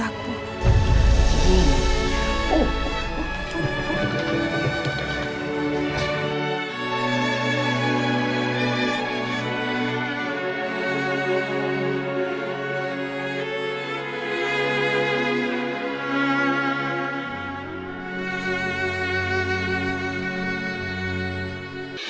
nanti aku akan satu satu